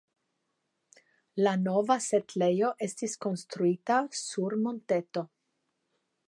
La nova setlejo estis konstruita sur monteto.